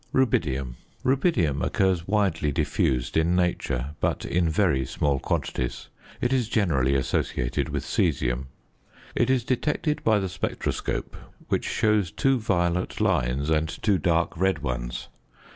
RUBIDIUM. Rubidium occurs widely diffused in nature, but in very small quantities. It is generally associated with caesium. It is detected by the spectroscope, which shows two violet lines and two dark red ones.